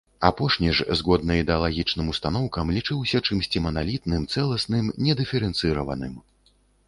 Апошні ж, згодна ідэалагічным устаноўкам, лічыўся чымсьці маналітным, цэласным, недыферэнцыраваным.